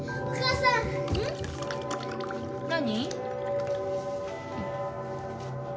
何？